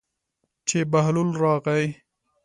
چې بهلول راغی.